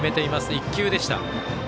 １球でした。